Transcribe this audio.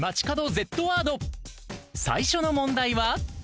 ［最初の問題は］